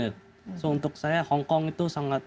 jadi untuk saya hong kong itu sangat